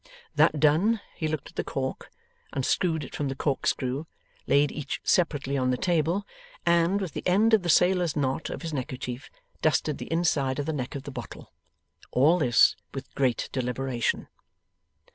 That done, he looked at the cork, unscrewed it from the corkscrew, laid each separately on the table, and, with the end of the sailor's knot of his neckerchief, dusted the inside of the neck of the bottle. All this with great deliberation.